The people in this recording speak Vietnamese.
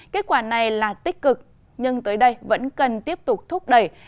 kết quả này là tích cực nhưng tới đây vẫn cần tiếp tục thúc đẩy